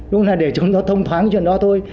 đúng là để chúng nó thông thoáng chuyện đó thôi